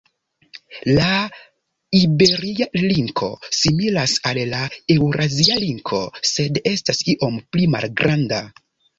La iberia linko similas al la eŭrazia linko, sed estas iom pli malgranda.